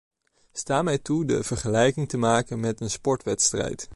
Sta mij toe de vergelijking te maken met een sportwedstrijd.